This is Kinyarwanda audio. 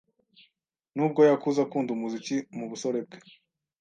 Nubwo yakuze akunda umuziki mu busore bwe